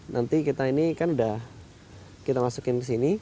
nanti kita ini kan udah kita masukin ke sini